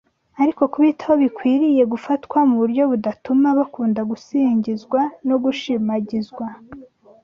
ariko kubitaho bikwiriye gufatwa mu buryo budatuma bakunda gusingizwa no gushimagizwa